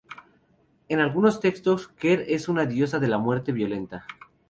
En algunos textos, Ker es la diosa de la muerte violenta.